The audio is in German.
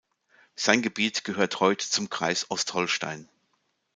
Sein Gebiet gehört heute zum Kreis Ostholstein.